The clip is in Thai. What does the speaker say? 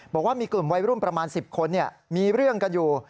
บอกว่ามีกลุ่มวัยรุ่นประมาณ๑๐คนมีเรื่องกันอยู่